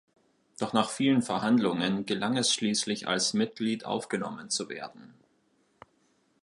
Doch nach vielen Verhandlungen gelang es schließlich als Mitglied aufgenommen zu werden.